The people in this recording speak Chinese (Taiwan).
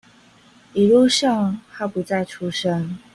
一路上他不再出聲